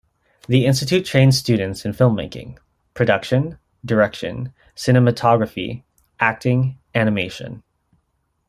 The institute trains students in filmmaking: production, direction, cinematography, acting, animation.